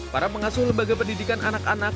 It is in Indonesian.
para pengasuh lembaga pendidikan anak anak